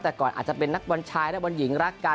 แต่ก่อนอาจจะเป็นนักบอลชายนักบอลหญิงรักกัน